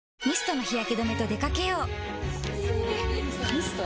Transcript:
ミスト？